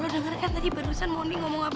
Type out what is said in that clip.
lo denger kan tadi barusan mondi ngomong apa